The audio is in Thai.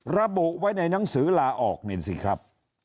ระบุไว้ในหนังสือลาออกนี่สิครับ